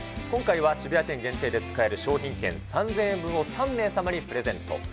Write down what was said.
今回は渋谷店限定で使える商品券、３０００円分を３名様にプレゼント。